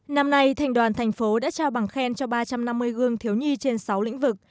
năm nay thành đoàn thành phố đã trao bằng khen cho ba trăm năm mươi gương thiếu nhi trên sáu lĩnh vực